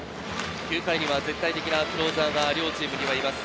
９回には絶対的なクローザーが両チームにはいます。